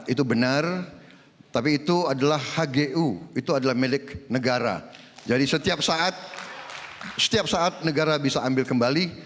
itu benar tapi itu adalah hgu itu adalah milik negara jadi setiap saat setiap saat negara bisa ambil kembali